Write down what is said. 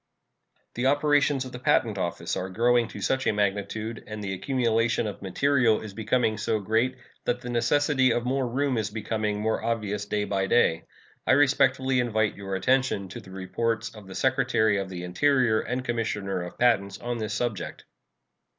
The operations of the Patent Office are growing to such a magnitude and the accumulation of material is becoming so great that the necessity of more room is becoming more obvious day by day. I respectfully invite your attention to the reports of the Secretary of the Interior and Commissioner of Patents on this subject.